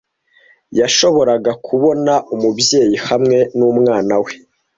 'Yashoboraga kubona Umubyeyi hamwe n'Umwana we